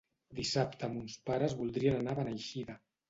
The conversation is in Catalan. Dissabte mons pares voldrien anar a Beneixida.